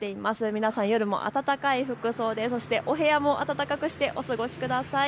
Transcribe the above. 皆さん、夜も暖かい服装でお部屋も暖かくしてお過ごしください。